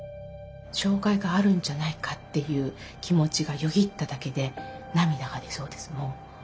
障害があるんじゃないかっていう気持ちがよぎっただけで涙が出そうですもう。